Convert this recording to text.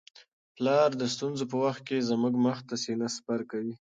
پلار د ستونزو په وخت کي زموږ مخ ته سینه سپر کوي.